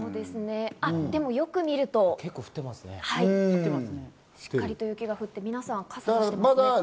でも、よく見るとしっかりと雪が降って、皆さん傘をさしてますね。